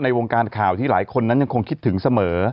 วงการข่าวที่หลายคนนั้นยังคงคิดถึงเสมอ